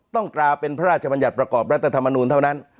ตราเป็นพระราชบัญญัติประกอบรัฐธรรมนูลเท่านั้น